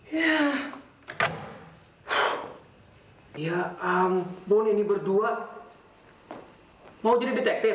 ya ampun ini berdua mau jadi detektif